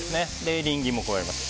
エリンギも加えます。